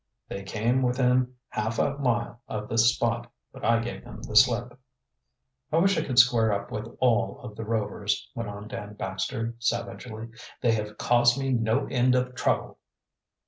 "They came within half a mile of the spot. But I gave them the slip." "I wish I could square up with all of the Rovers," went on Dan Baxter savagely. "They have caused me no end of trouble."